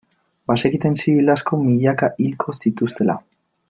Bazekiten zibil asko, milaka, hilko zituztela.